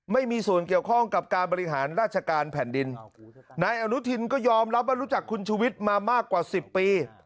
ไม่มีส่วนเกี่ยวข้องกับการบริหารราชการแผ่นดินนายอนุทินก็ยอมรับว่ารู้จักคุณชุวิตมามากกว่าสิบปี